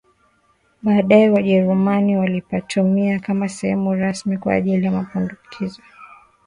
Baadae wajerumani walipatumia kama sehemu rasmi kwa ajili ya mapumziko